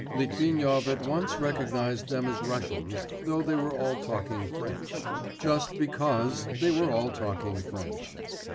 Litvinov at once recognised them as Russians, though they were all talking French ... just because they were all talking French.